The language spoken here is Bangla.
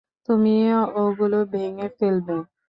তুমি ওগুলো ভেঙ্গে ফেলবে।